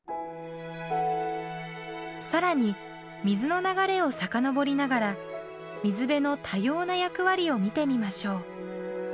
さらに水の流れを遡りながら水辺の多様な役割を見てみましょう。